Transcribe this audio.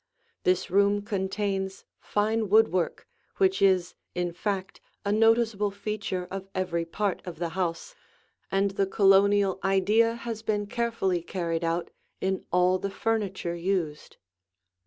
This room contains fine woodwork, which is, in fact, a noticeable feature of every part of the house, and the Colonial idea has been carefully carried out in all the furniture used.